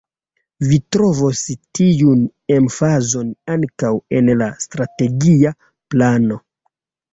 Vi trovos tiun emfazon ankaŭ en la strategia plano.